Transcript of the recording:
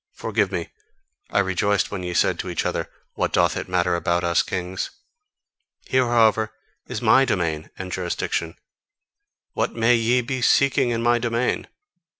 Forgive me; I rejoiced when ye said to each other: 'What doth it matter about us kings!' Here, however, is MY domain and jurisdiction: what may ye be seeking in my domain?